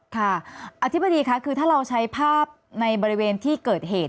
อธิบดีค่ะคือถ้าเราใช้ภาพในบริเวณที่เกิดเหตุ